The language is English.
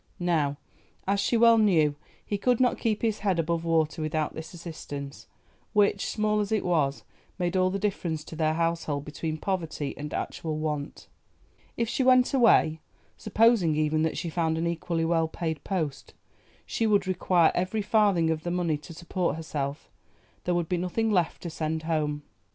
Now, as she well knew, he could not keep his head above water without this assistance, which, small as it was, made all the difference to their household between poverty and actual want. If she went away, supposing even that she found an equally well paid post, she would require every farthing of the money to support herself, there would be nothing left to send home.